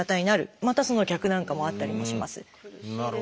またその逆なんかもあったりもします。